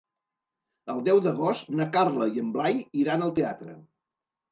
El deu d'agost na Carla i en Blai iran al teatre.